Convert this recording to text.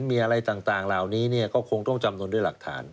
มีอะไรต่างเหล่านี้ก็คงต้องจำนวนด้วยหลักฐาน